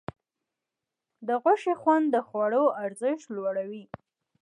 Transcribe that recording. د غوښې خوند د خوړو ارزښت لوړوي.